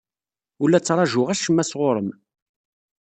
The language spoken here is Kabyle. Ur la ttṛajuɣ acemma sɣur-m.